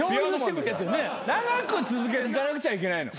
長く続けていかなくちゃいけないの。